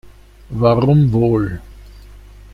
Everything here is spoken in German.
Warum wohl?